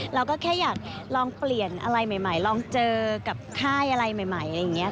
เราก็แค่อยากลองเปลี่ยนอะไรใหม่ลองเจอกับค่ายอะไรใหม่อะไรอย่างนี้